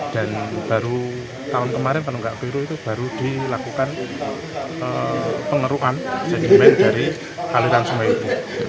dan baru tahun kemarin panunggak viru itu baru dilakukan pengerukan sedimen dari aliran sungai itu